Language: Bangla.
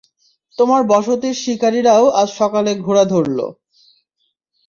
তোমার বসতির শিকারীরাও আজ সকালে ঘোড়া ধরল।